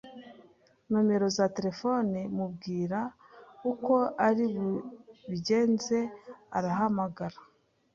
nonero za telephone mubwira uko ari bubigenze arahamagara